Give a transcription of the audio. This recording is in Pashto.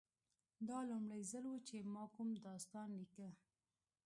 دا لومړی ځل و چې ما کوم داستان لیکه